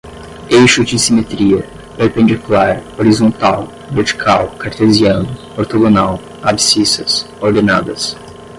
eixo de simetria, perpendicular, horizontal, vertical, cartesiano, ortogonal, abcissas, ordenadas